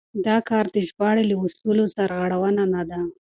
دا کار د ژباړې له اصولو سرغړونه ده.